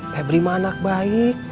pebri mah anak baik